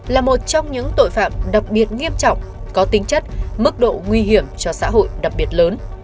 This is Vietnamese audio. là một trong những tội phạm đặc biệt nghiêm trọng có tính chất mức độ nguy hiểm cho xã hội đặc biệt lớn